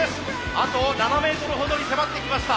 あと７メートルほどに迫ってきました。